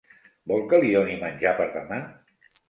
Vol que li doni menjar per demà?